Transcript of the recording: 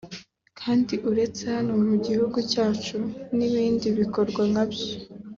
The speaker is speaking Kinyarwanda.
Kandi uretse hano mu gihugu cyacu n’ibindi bikora nkacyo